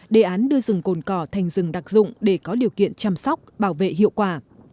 đề án đưa rừng cồn cỏ thành rừng đặc dụng để có điều kiện chăm sóc bảo vệ hiệu quả